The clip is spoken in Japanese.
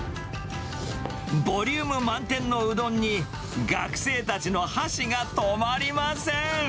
ボリューム満点のうどんに、学生たちの箸が止まりません。